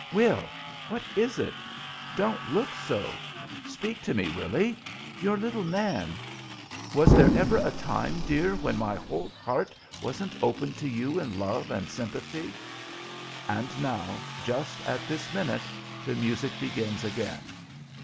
Will! What is it? Don't look so! Speak to me, Willy, your little Nan. Was there ever a time, dear, when my whole heart wasn't open to you in love and sympathy?" And now, just at this minute, the music begins again.